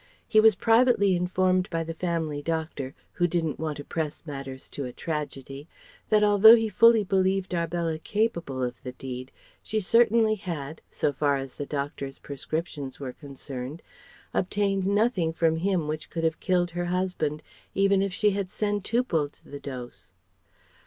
He was privately informed by the family doctor (who didn't want to press matters to a tragedy) that although he fully believed Arbella capable of the deed, she certainly had so far as the doctor's prescriptions were concerned obtained nothing from him which could have killed her husband, even if she had centupled the dose.